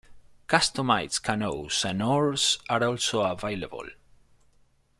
Customized canoes and oars are also available.